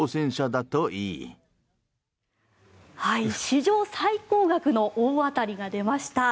史上最高額の大当たりが出ました。